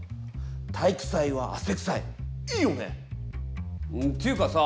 「体育祭は汗くさい」いいよね？っていうかさ